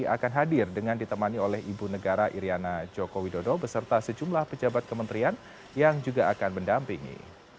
akan hadir dengan ditemani oleh ibu negara iryana joko widodo beserta sejumlah pejabat kementerian yang juga akan mendampingi